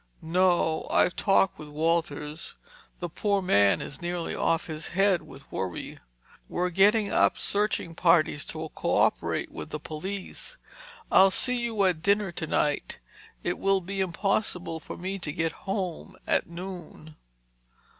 "No. I've talked with Walters. The poor man is nearly off his head with worry. We're getting up searching parties to cooperate with the police. I'll see you at dinner tonight. It will be impossible for me to get home at noon."